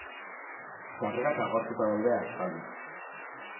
Sarrerak agortuta daude aspaldi.